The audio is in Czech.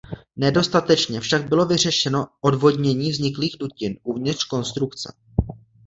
Nedostatečně však bylo vyřešeno odvodnění vzniklých dutin uvnitř konstrukce.